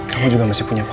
kamu juga masih punya papa